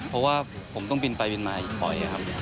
เพราะว่าผมต้องบินไปบินมาอีกบ่อยครับ